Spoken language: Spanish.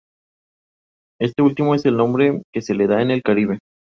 Este último es el nombre que se le da en el Caribe.